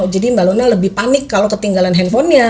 jadi mbak luna lebih panik kalau ketinggalan handphonenya